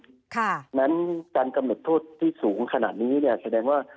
ฉะนั้นการกำหนดโทษที่สูงขนาดนี้แสดงว่า